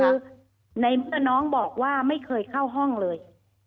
คือในเมื่อน้องบอกว่าไม่เคยเข้าห้องเลย